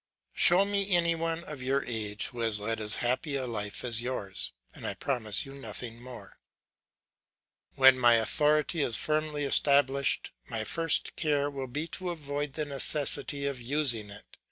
Show me any one of your age who has led as happy a life as yours, and I promise you nothing more." When my authority is firmly established, my first care will be to avoid the necessity of using it.